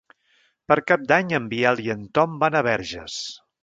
Per Cap d'Any en Biel i en Tom van a Verges.